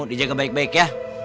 dijaga baik baik ya